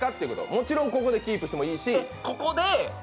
もちろんここでキープしてもいいし。